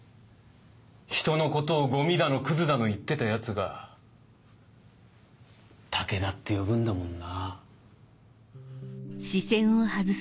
ひとのことをゴミだのクズだの言ってたヤツが「武田」って呼ぶんだもんなぁ。